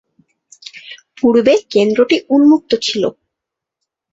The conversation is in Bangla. পূর্বে কেন্দ্রটি উন্মুক্ত ছিল।